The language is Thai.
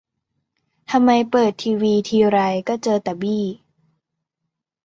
ทำไมเปิดทีวีทีไรก็เจอแต่บี้